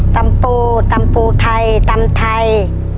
ตำปูตำปูไทยตำไทย